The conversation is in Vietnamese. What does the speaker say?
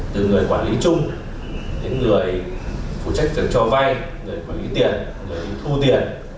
từ người quản lý chung đến người phụ trách tiền cho vay người quản lý tiền người thu tiền